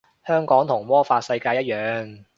香港同魔法世界一樣